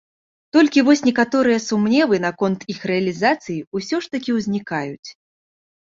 Толькі вось некаторыя сумневы наконт іх рэалізацыі ўсё ж такі ўзнікаюць.